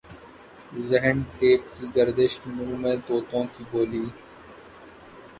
ذہن ٹیپ کی گردش منہ میں طوطوں کی بولی